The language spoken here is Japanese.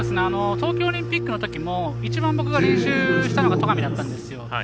東京オリンピックのときも一番僕が練習したのが戸上だったんですよね。